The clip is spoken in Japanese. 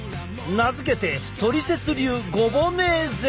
名付けてトリセツ流ゴボネーゼ！